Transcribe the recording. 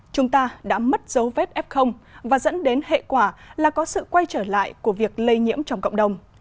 chúng ta đã mất dấu vết f và dẫn đến hệ quả là có sự quay trở lại của việc lây nhiễm trong cộng đồng